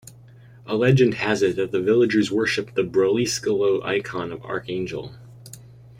A legend has it that the villagers worshiped the Broliskalo Icon of Archangel.